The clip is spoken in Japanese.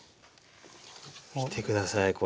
見て下さいこれ。